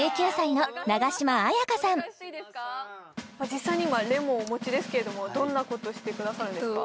実際に今レモンをお持ちですけれどもどんなことしてくださるんですか？